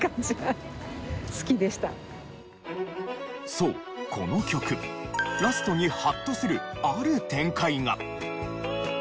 そうこの曲ラストにハッとするある展開が。